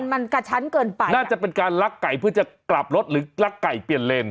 มันกระชั้นเกินไปน่าจะเป็นการลักไก่เพื่อจะกลับรถหรือลักไก่เปลี่ยนเลน